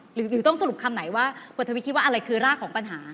หรือต้องสรุปคำไหนว่าบททวิตคิดว่าอะไรคือรากของปัญหา